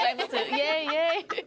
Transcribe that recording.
イエーイイエーイ。